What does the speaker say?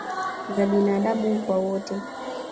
za binaadamu kwa wote